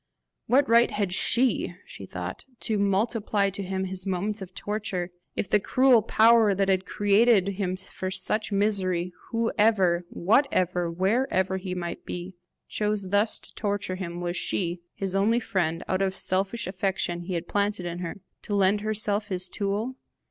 What right had SHE, she thought, to multiply to him his moments of torture? If the cruel power that had created him for such misery, whoever, whatever, wherever he might be, chose thus to torture him, was she, his only friend, out of the selfish affection he had planted in her, to lend herself his tool?